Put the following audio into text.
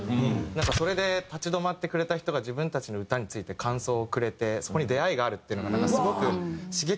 なんかそれで立ち止まってくれた人が自分たちの歌について感想をくれてそこに出会いがあるっていうのがなんかすごく刺激的で。